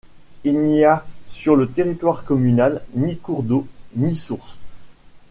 Il n'y a sur le territoire communal ni cours d'eau ni source.